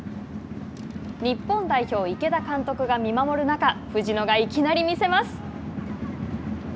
日本代表、池田監督が見守る中藤野がいきなりみせます。